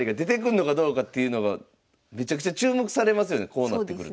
こうなってくると。